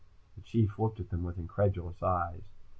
The Chief looked at them with incredulous eyes.